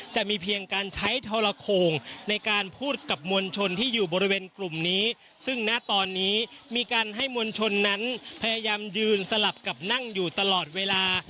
จะมีเพียงการใช้ทรโคงในการพูดกับมวลชนที่อยู่บริเวณกลุ่มนี้ซึ่งณตอนนี้มีการให้มวลชนนั้นพยายามยืนสลับกับนั่งอยู่ตลอดเวลา